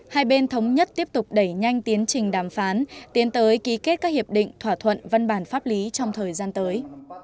hai bên thống nhất tiếp tục đẩy nhanh tiến trình đàm phán tiến tới ký kết các hiệp định thỏa thuận văn bản pháp lý trong thời gian tới